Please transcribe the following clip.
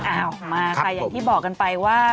เอามาค่ะอย่างที่บอกกันไปว่า